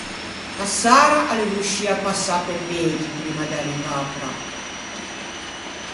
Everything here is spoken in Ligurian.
A Sara a l'é vosciua passâ pe Pegi primma de arrivâ à Pra.